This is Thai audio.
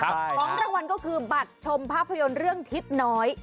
ของรางวัลก็คือบัตรชมภาพยนตร์เรื่องทิศน้อย